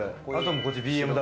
こっちＢＭＷ。